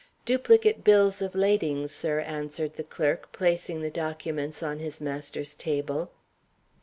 "Duplicate Bills of Lading, sir," answered the clerk, placing the documents on his ma ster's table.